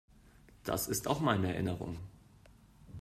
Das ist auch meine Erinnerung.